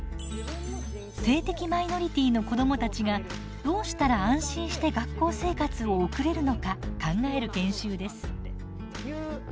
性的マイノリティーの子どもたちがどうしたら安心して学校生活を送れるのか考える研修です。